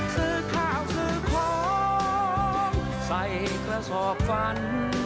เสื้อข้าวเสื้อของใส่กระสอกฝัน